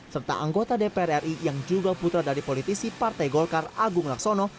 serta anggota dpr ri yang juga putra dari politisi partai golkar agung laksono